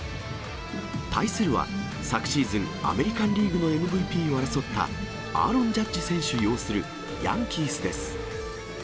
対するは、昨シーズン、アメリカンリーグのＭＶＰを争った、アーロン・ジャッジ選手擁するヤンキースです。